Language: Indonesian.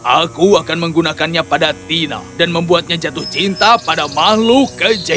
aku akan menggunakannya pada tina dan membuatnya jatuh cinta pada makhluk kejaya